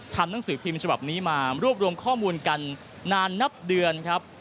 หนังสือพิมพ์ฉบับนี้มารวบรวมข้อมูลกันนานนับเดือนครับ